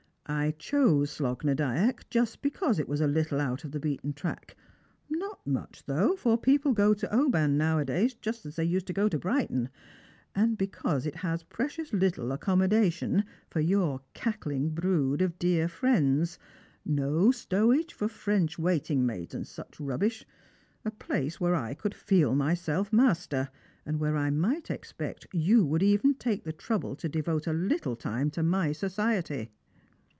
" I chose Slogh na Dyack just because it was a little out of the beaten track — not much though, for people go to Oban nowadays just as they used to go to Brighton— and because it has precious little accommoda tion for your cackling brood of dear friends, no stowage for French waiting maids and such rubbish — a place where I could feel myself master, and where I might expect you would even take the trouble to devote a Uttle time to my society."